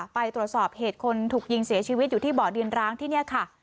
ไปตรวจสอบเหตุคนถูกยิงเสียชีวิตอยู่ที่บ่อดินร้างที่นี่ค่ะ